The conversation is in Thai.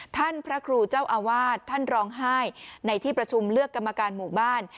พระครูเจ้าอาวาสท่านร้องไห้ในที่ประชุมเลือกกรรมการหมู่บ้าน